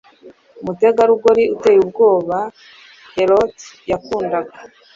Umutegarugori uteye ubwoba Heort yakundaga